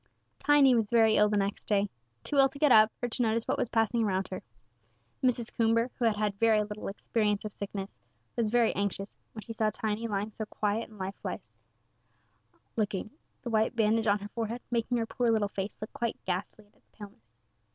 Tiny was very ill the next day too ill to get up, or to notice what was passing around her. Mrs. Coomber, who had had very little experience of sickness, was very anxious when she saw Tiny lying so quiet and lifeless looking, the white bandage on her forehead making her poor little face look quite ghastly in its paleness.